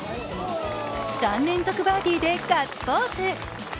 ３連続バーディーでガッツポーズ。